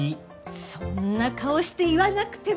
そんな顔して言わなくても。